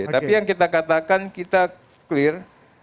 tapi yang kita katakan kita clear